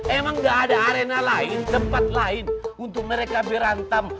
emang gak ada arena lain tempat lain untuk mereka berantem